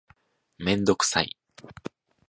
メンドクサイ